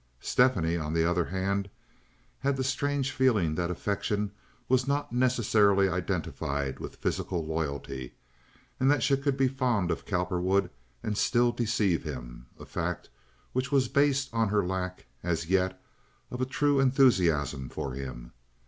Stephanie, on the other hand, had the strange feeling that affection was not necessarily identified with physical loyalty, and that she could be fond of Cowperwood and still deceive him—a fact which was based on her lack as yet of a true enthusiasm for him.